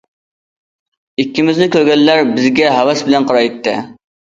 ئىككىمىزنى كۆرگەنلەر بىزگە ھەۋەس بىلەن قارايتتى.